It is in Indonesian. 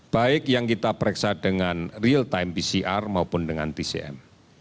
baik yang kita pereksa dengan real time pcr maupun dengan tcm